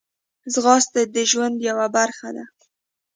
ځغاسته د ژوند یوه برخه ده